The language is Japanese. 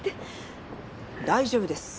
大丈夫です。